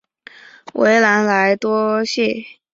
维兰莱罗谢。